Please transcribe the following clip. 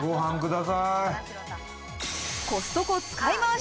コストコ使いまわし